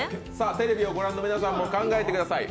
テレビをご覧の皆さんも考えてください。